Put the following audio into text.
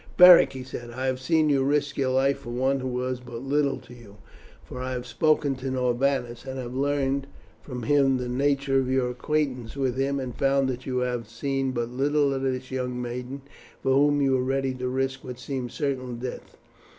"Beric," he said, "I have seen you risk your life for one who was but little to you, for I have spoken to Norbanus, and have learned from him the nature of your acquaintance with him, and found that you have seen but little of this young maiden for whom you were ready to risk what seemed certain death.